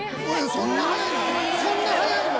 そんな速いの？